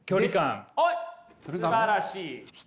すばらしい。